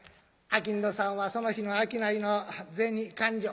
商人さんはその日の商いの銭勘定。